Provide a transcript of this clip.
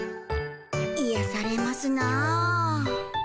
癒やされますなあ。